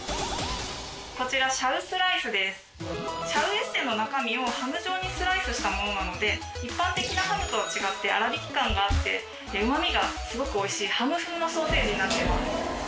こちらシャウエッセンの中身をハム状にスライスしたものなので一般的なハムとは違って粗びき感があってうまみがすごく美味しいハム風のソーセージになってます。